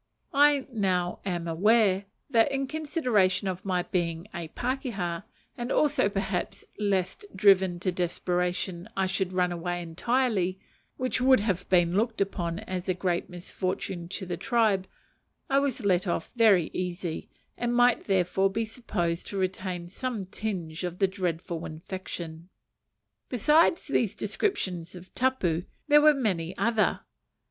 I now am aware, that in consideration of my being a pakeha and also, perhaps, lest, driven to desperation, I should run away entirely, which would have been looked upon as a great misfortune to the tribe I was let off very easy, and might therefore be supposed to retain some tinge of the dreadful infection. Besides these descriptions of tapu, there were many other.